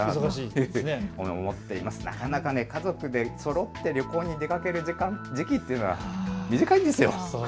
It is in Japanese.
なかなか家族でそろって旅行で出かける時期というのは短いんですよ。